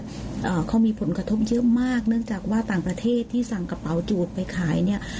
อ่าเขามีผลกระทบเยอะมากเนื่องจากว่าต่างประเทศที่สั่งกระเป๋าจูดไปขายเนี้ย